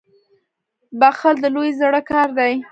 • بخښل د لوی زړه کار دی.